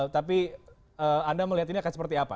tapi anda melihat ini akan seperti apa